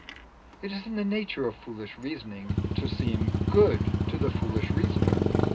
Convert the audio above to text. It is in the nature of foolish reasoning to seem good to the foolish reasoner.